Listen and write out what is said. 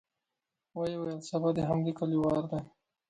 ويې ويل: سبا د همدې کليو وار دی.